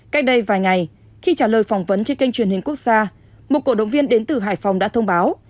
cách đây vài ngày khi trả lời phỏng vấn trên kênh truyền hình quốc gia một cổ động viên đến từ hải phòng đã thông báo